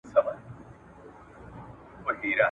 ستا د غلیم په ویر به وکاږي ارمان وطنه ,